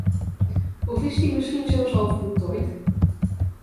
Of is die misschien zelfs al voltooid?